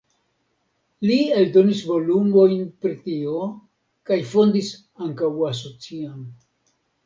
Li eldonis volumojn pri tio kaj fondis ankaŭ asocion.